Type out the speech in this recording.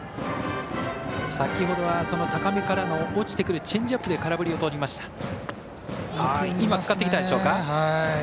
先ほどは高めからの落ちてくるチェンジアップで空振りをとりました。